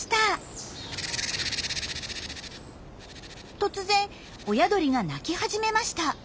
突然親鳥が鳴き始めました。